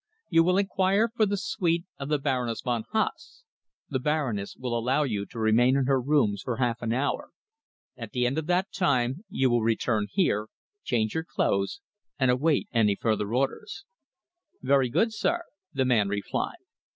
You will enquire for the suite of the Baroness von Haase. The Baroness will allow you to remain in her rooms for half an hour. At the end of that time you will return here, change your clothes, and await any further orders." "Very good, sir," the man replied.